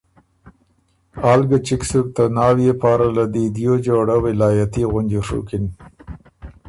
آل ګۀ چِګ سُک ته ناويې پاره له دی دیو جوړۀ ولائتي غُنجی ڒُوکِن